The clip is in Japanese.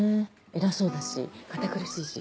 偉そうだし堅苦しいし。